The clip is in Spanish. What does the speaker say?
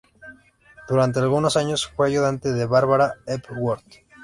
Durante algunos años fue ayudante de Barbara Hepworth.